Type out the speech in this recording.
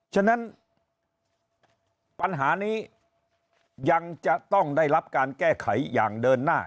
ฉะนั้นปัญหานี้ยังจะต้องได้รับการแก้ไขอย่างเดินหน้า